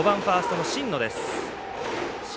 ５番ファーストの新野です。